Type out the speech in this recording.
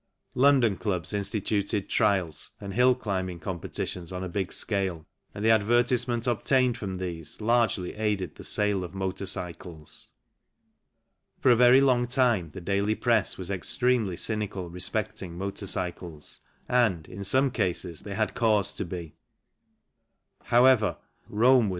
London clubs instituted trials and hill climbing competitions on a big scale, and the advertisement obtained from these largely aided the sale of motor cycles. For a very long time the daily press was extremely cynical respecting motor cycles and, in some cases, they had cause to be. However, Rome was not FIG. 29 THE 6 H.